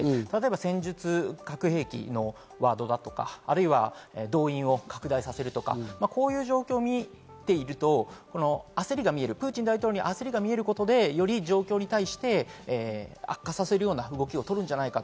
先日、核兵器のワードだとか、動員を拡大させるとか、こういう状況を見ていると、プーチン大統領に焦りが見えることで、より状況に対して悪化させるような動きを取るんじゃないか。